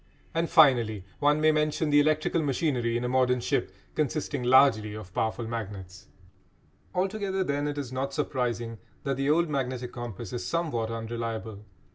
And finally one may mention the electrical machinery in a modern ship consisting largely of powerful magnets. Altogether, then, it is not surprising that the old magnetic compass is somewhat unreliable.